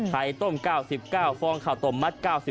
ไข่ต้ม๙๙ฟ้องเผ่าตมมัด๙๙